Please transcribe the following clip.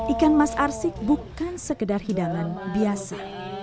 ikan mas arsik bukan sekedar hidangan biasa